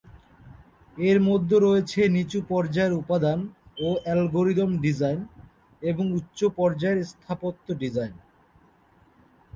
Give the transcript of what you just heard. এর মধ্যে রয়েছে নিচু-পর্যায়ের উপাদান ও অ্যালগরিদম ডিজাইন এবং উচ্চ পর্যায়ের স্থাপত্য ডিজাইন।